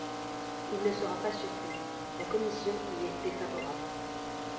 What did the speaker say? Il ne sera pas surpris, la commission y est défavorable.